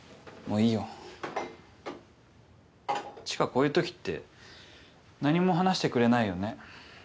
こういうときって何も話してくれないよね。